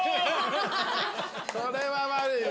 それは悪いわ。